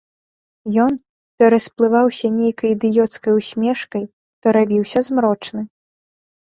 Ён то расплываўся нейкай ідыёцкай усмешкай, то рабіўся змрочны.